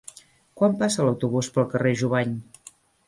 Quan passa l'autobús pel carrer Jubany?